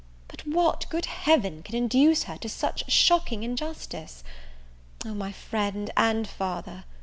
But what, good Heaven! can induce her to such shocking injustice? O, my friend and father!